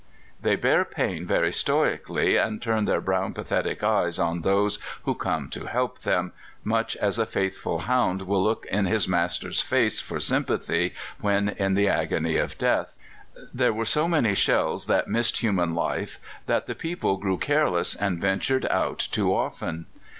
They bear pain very stoically, and turn their brown pathetic eyes on those who come to help them, much as a faithful hound will look in his master's face for sympathy when in the agony of death. There were so many shells that missed human life that the people grew careless and ventured out too often.